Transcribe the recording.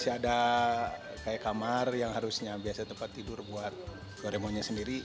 ada kamar yang harusnya tempat tidur buat doraemonnya sendiri